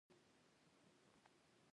مالټه د بدن داخلي روغتیا ساتي.